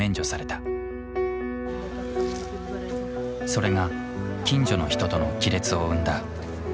それが近所の人との亀裂を生んだ。